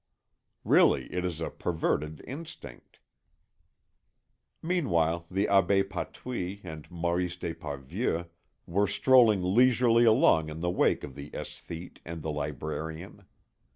Really it is a perverted instinct." Meanwhile the Abbé Patouille and Maurice d'Esparvieu were strolling leisurely along in the wake of the esthete and the librarian.